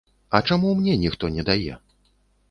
А чаму мне ніхто не дае?